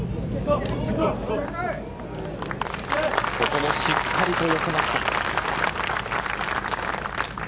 ここもしっかりと寄せました。